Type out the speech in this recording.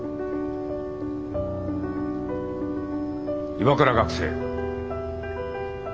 岩倉学生。